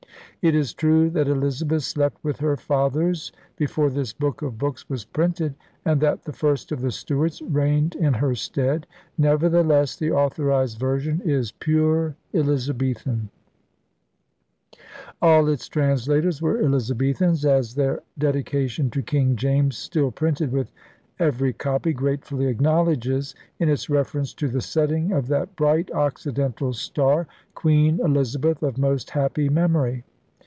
It is true that Elizabeth slept with her fathers before this book of books was printed, and that the first of the Stuarts reigned in her stead. Never theless the Authorized Version is pure Elizabethan. 50 ELIZABETHAN SEA DOGS All its translators were Elizabethans, as their dedication to King James, still printed with every copy, gratefully acknowledges in its reference to *the setting of that bright Occidental Star, Queen Elizabeth of most happy memory.